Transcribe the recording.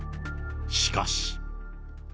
しかし。